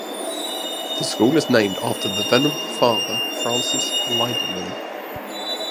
The school is named after the Venerable Father Francis Libermann.